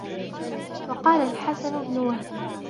وَقَالَ الْحَسَنُ بْنُ وَهْبٍ